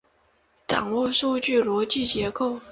掌握数据的逻辑结构